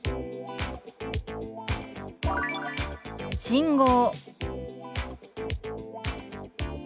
「信号」。